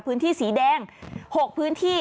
พื้นที่สีแดง๖พื้นที่